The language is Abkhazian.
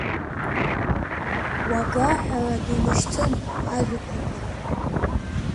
Уага ҳәара думышьҭын ажәаԥҟақәа.